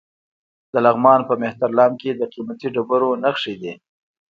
د لغمان په مهترلام کې د قیمتي ډبرو نښې دي.